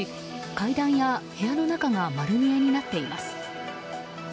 階段や部屋の中が丸見えになっています。